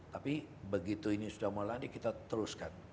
tapi begitu ini sudah mulai kita teruskan